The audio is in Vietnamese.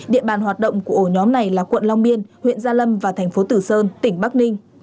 địa bàn hoạt động của ổ nhóm này là quận long biên huyện gia lâm và thành phố tử sơn tỉnh bắc ninh